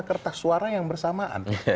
kertas suara yang bersamaan